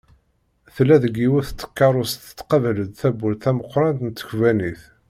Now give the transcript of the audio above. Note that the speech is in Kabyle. Tella deg yiwet tkerrust tettqabal-d tawwurt tameqqrant n tkebbanit.